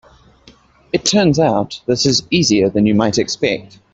It turns out this is easier than you might expect.